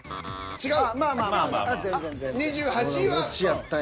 違う。